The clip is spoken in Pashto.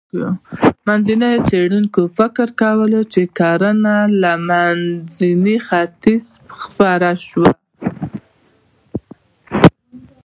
مخکېنو څېړونکو فکر کاوه، چې کرنه له منځني ختیځ خپره شوه.